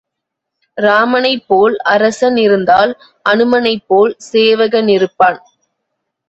இராமனைப் போல் அரசன் இருந்தால் அனுமனைப் போல் சேவகன் இருப்பான்.